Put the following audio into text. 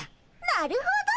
なるほど！